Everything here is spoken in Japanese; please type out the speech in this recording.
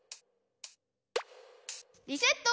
リセット！